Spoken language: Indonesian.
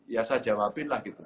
ya saya jawabin lah gitu